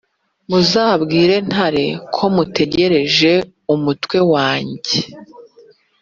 muzabwire ntare ko mutegereje umutwe wange”.